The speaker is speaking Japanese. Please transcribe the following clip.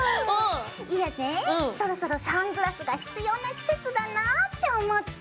いやねえそろそろサングラスが必要な季節だなあって思って。